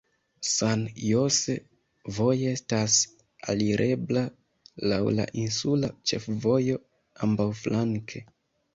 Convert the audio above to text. San Jose voje estas alirebla laŭ la insula ĉefvojo ambaŭflanke.